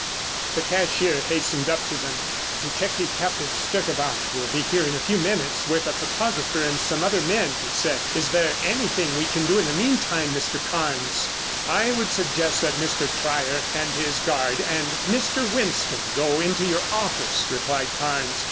The cashier hastened up to them. "Detective Captain Sturtevant will be here in a few minutes with a photographer and some other men," he said. "Is there anything that we can do in the meantime, Mr. Carnes?" "I would suggest that Mr. Trier and his guard and Mr. Winston go into your office," replied Carnes.